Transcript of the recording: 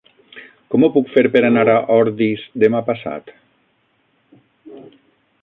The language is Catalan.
Com ho puc fer per anar a Ordis demà passat?